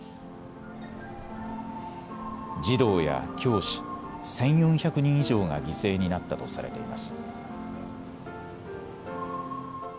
児童や教師、１４００人以上が犠牲になったとされています。